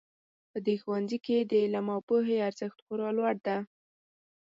په دې ښوونځي کې د علم او پوهې ارزښت خورا لوړ ده